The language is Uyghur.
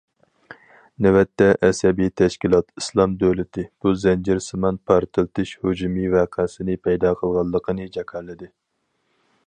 نۆۋەتتە، ئەسەبىي تەشكىلات« ئىسلام دۆلىتى» بۇ زەنجىرسىمان پارتلىتىش ھۇجۇمى ۋەقەسىنى پەيدا قىلغانلىقىنى جاكارلىدى.